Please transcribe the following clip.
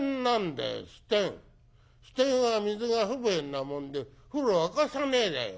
支店は水が不便なもんで風呂沸かさねえだよ。